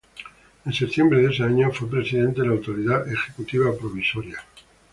En septiembre de ese año fue presidente de la Autoridad Ejecutiva Provisoria.